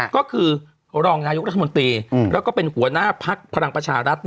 ก็คือรองนายกรัฐมนตรีแล้วก็เป็นหัวหน้าพักพลังประชารัฐ